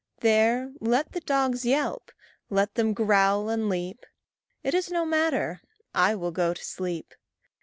There let the dogs yelp, let them growl and leap; It is no matter I will go to sleep.